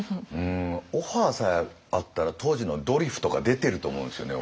オファーさえあったら当時の「ドリフ」とか出てると思うんですよね